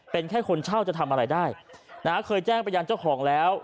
เป็นแค่คนเช่าจะทำอะไรได้นะฮะเคยแจ้งไปยังเจ้าของแล้ว